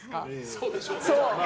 そうでしょうね。